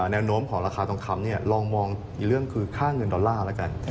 แนวโน้มของราคาทองคำลองมองอีกเรื่องคือค่าเงินดอลลาร์แล้วกัน